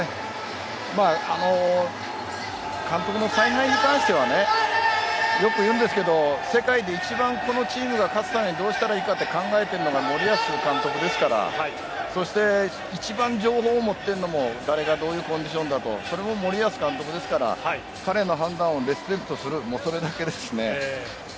監督の采配に関してはよくいうんですが世界で一番このチームが勝つためにどうしたらいいかと考えているのが森保監督ですからそして一番情報を持っているのも誰がどういうコンディションだとそれも森保監督ですから彼の判断をリスペクトするそれだけですね。